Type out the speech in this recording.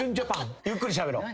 ゆっくりしゃべろう。